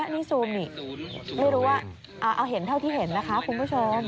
นี่ซูมนี่ไม่รู้ว่าเอาเห็นเท่าที่เห็นนะคะคุณผู้ชม